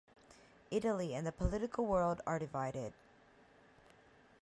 Italy and the political world are divided.